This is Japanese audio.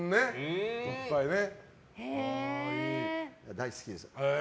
大好きです。